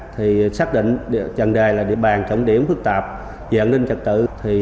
thì xác định trần đề là địa bàn trọng điểm phức tạp về an ninh trật tự